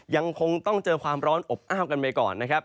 ยังคงต้องเจอความร้อนอบอ้าวกันไปก่อนนะครับ